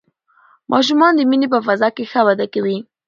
ماشومان د مینې په فضا کې ښه وده کوي